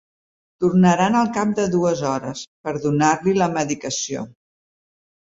Tornaran al cap de dues hores per donar-li la medicació.